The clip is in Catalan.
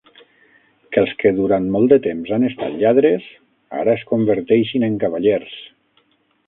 Que els que durant molt de temps han estat lladres, ara es converteixin en cavallers.